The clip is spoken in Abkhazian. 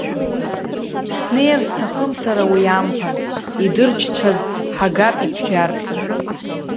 Снеир сҭахым сара уи амԥан, идырчцәаз ҳагап иԥжәар.